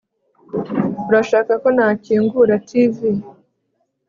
Urashaka ko nakingura TV